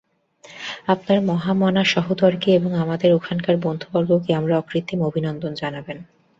আপনার মহামনা সহোদরগণকে এবং আমাদের ওখানকার বন্ধুবর্গকে আমার অকৃত্রিম অভিনন্দন জানাবেন।